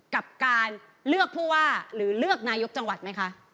กับการเลือกผู้ว่าหรือเลือกนายกจังหวัดไหมคะ